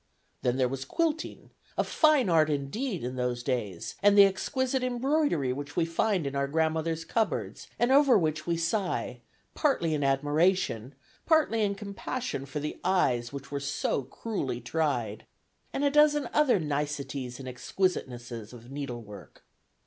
Then there was quilting, a fine art indeed in those days, and the exquisite embroidery which we find in our grandmothers' cupboards, and over which we sigh partly in admiration, partly in compassion for the eyes which were so cruelly tried; and a dozen other niceties and exquisitenesses of needlework.